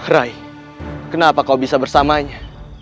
rai kenapa kau bisa bersamanya